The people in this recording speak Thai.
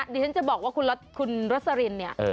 ดิฉันจะบอกว่าคุณโรสลินเนี่ย